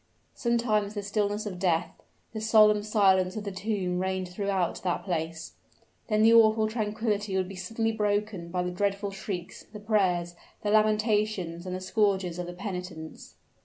Sometimes the stillness of death, the solemn silence of the tomb reigned throughout that place: then the awful tranquillity would be suddenly broken by the dreadful shrieks, the prayers, the lamentations, and the scourges of the penitents.